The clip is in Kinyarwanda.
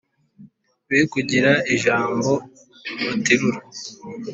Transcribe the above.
Be kugira ijambo baterura